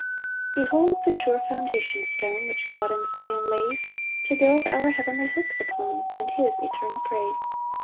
1 Behold the sure foundation stone Which God in Zion lays To build our heavenly hopes upon, And his eternal praise.